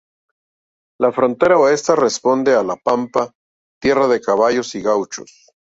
La frontera Oeste responde a la Pampa, tierra de caballos y gauchos.